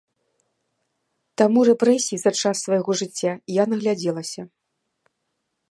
Таму рэпрэсій за час свайго жыцця я наглядзелася.